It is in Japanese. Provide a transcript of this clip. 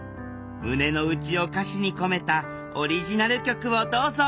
胸の内を歌詞に込めたオリジナル曲をどうぞ。